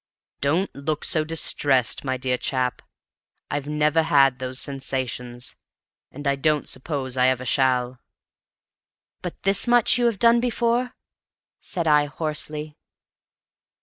Don't look so distressed, my dear chap. I've never had those sensations, and I don't suppose I ever shall." "But this much you have done before?" said I hoarsely.